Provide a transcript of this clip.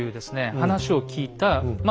話を聞いたまあ